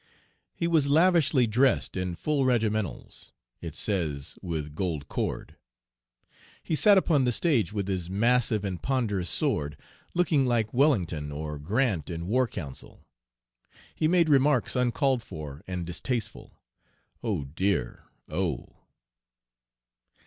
He was 'lavishly dressed in full regimentals,' it says, 'with gold cord. He sat upon the stage with his massive and ponderous sword, looking like Wellington or Grant in war council. He made remarks uncalled for and distasteful.' Oh dear! Oh!